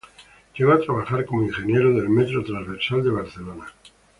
Llegó a trabajar como ingeniero del Metro Transversal de Barcelona.